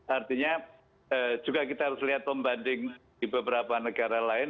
artinya juga kita harus lihat pembanding di beberapa negara lain